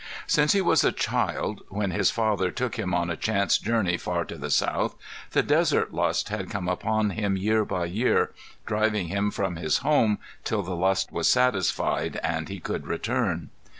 Since he was a child, when his father took him on a chance journey far to the South, the desert lust had come upon him year by year, driving him from his home till the lust was satisfied and he could return.